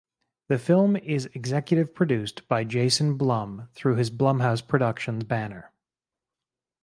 The film is executive produced by Jason Blum through his Blumhouse Productions banner.